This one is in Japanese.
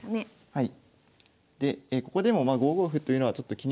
はい。